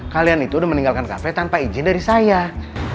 kalian itu udah meninggalkan kafe tanpa izin dari saya